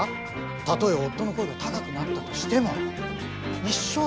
たとえ夫の声が高くなったとしても一生添い遂げる。